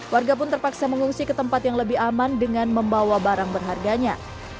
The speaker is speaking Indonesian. warga pun terpaksa mengungsi ke tempat yang lebih aman dengan membawa barang berharganya